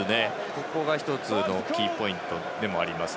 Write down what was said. ここが１つのキーポイントです。